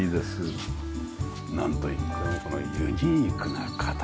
なんといってもこのユニークな形。